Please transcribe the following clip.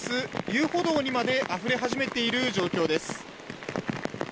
遊歩道にまであふれ始めている状況です。